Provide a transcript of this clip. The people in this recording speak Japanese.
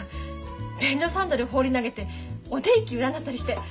便所サンダル放り投げてお天気占ったりして。